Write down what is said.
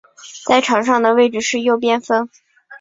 在场上的位置是右边锋。